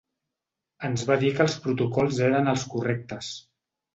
Ens va dir que els protocols eren els correctes.